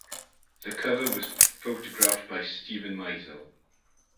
The cover was photographed by Steven Meisel.